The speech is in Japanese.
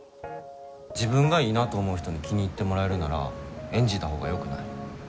自分がいいなと思う人に気に入ってもらえるなら演じたほうがよくない？